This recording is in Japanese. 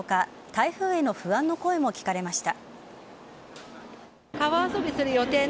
台風への不安の声も聞かれました。